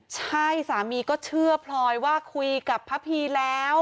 ใช่สามีก็เชื่อพลอยว่าคุยกับพระพีแล้ว